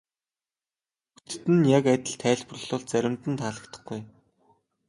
Бүгдэд нь яг адил тайлбарлавал заримд нь таалагдахгүй.